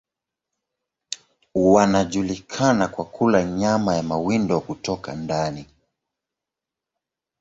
Wanajulikana kwa kula nyama ya mawindo kutoka ndani.